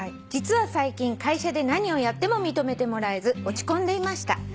「実は最近会社で何をやっても認めてもらえず落ち込んでいました。